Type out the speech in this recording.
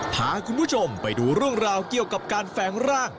พาคุณผู้ชมไปดูเรื่องราวเกี่ยวกับการแฝงร่าง